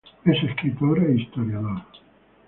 Es escritor e historiador.